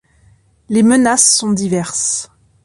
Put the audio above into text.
Les menaces sont diverses.